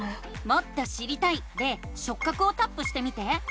「もっと知りたい」で「しょっ角」をタップしてみて。